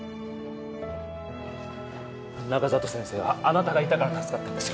中里先生はあなたがいたから助かったんですよ